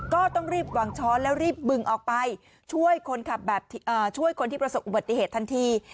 ก็ต้องรีบวางช้อนแล้วรีบบึงออกไปช่วยคนขับแบบช่วยคนที่ประสบอุบัติเหตุทันที